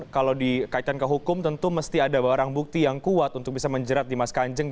kalau dikaitkan ke hukum tentu mesti ada barang bukti yang kuat untuk bisa menjerat dimas kanjeng